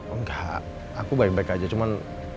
enggak aku baik baik aja cuman